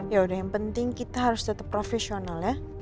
yaudah yang penting kita harus tetep profesional ya